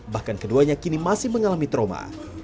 bahkan keduanya kini masih mengalami trauma